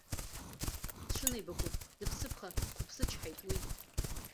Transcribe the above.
Дшынеибаку дыԥсыԥха дқәыԥсычҳаит уи.